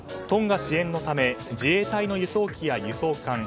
トンガ支援のため自衛隊の輸送機や輸送艦